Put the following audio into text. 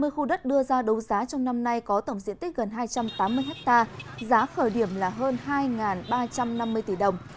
hai mươi khu đất đưa ra đấu giá trong năm nay có tổng diện tích gần hai trăm tám mươi hectare giá khởi điểm là hơn hai ba trăm năm mươi tỷ đồng